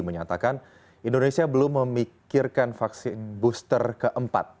menyatakan indonesia belum memikirkan vaksin booster keempat